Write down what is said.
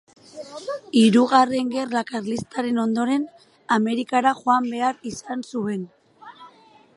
Hirugarren Gerra Karlistaren ondoren, Amerikara joan behar izan zuen.